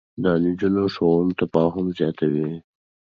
د نجونو ښوونه تفاهم زياتوي.